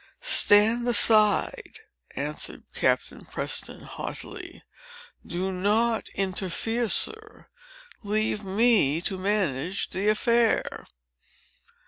"Stand aside!" answered Captain Preston, haughtily. "Do not interfere, sir. Leave me to manage the affair."